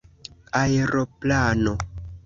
aeroplano